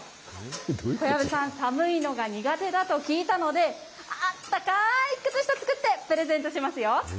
小籔さん、寒いのが苦手だと聞いたので、あったかーい靴下作ってプレゼントしますよ。